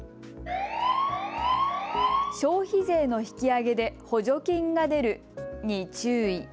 消費税の引き上げで補助金が出るに注意。